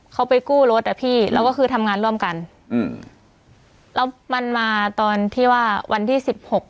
เขาไปกู้รถอ่ะพี่แล้วก็คือทำงานร่วมกันอืมแล้วมันมาตอนที่ว่าวันที่สิบหก